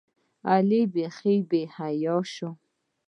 علي بیخي بېحیا شوی.